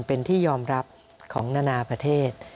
เป็นที่ยอมรับของนานาประเทศ